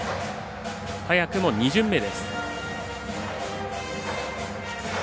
早くも２巡目です。